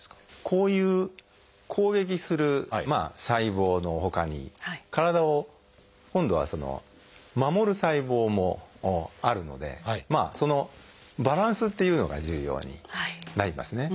こういう攻撃する細胞のほかに体を今度は守る細胞もあるのでそのバランスというのが重要になりますね。